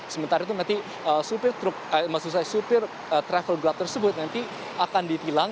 sementara itu nanti supir travel gelap tersebut nanti akan ditilang